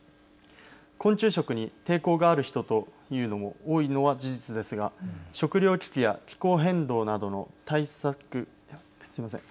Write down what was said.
昆虫食に抵抗がある人というのも多いのは事実ですが食糧危機や気候変動などの対策、すみません。